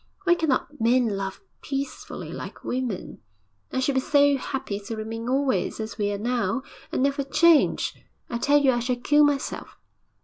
Why cannot men love peacefully like women? I should be so happy to remain always as we are now, and never change. I tell you I shall kill myself.'